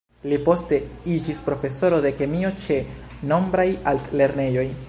Li poste iĝis profesoro de kemio ĉe nombraj altlernejoj.